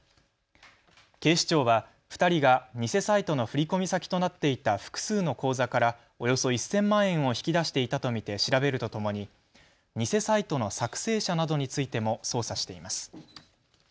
警視庁は２人が偽サイトの振込先となっていた複数の口座からおよそ１０００万円を引き出していたと見て調べるとともに、偽サイトの作成者などについても捜査しています。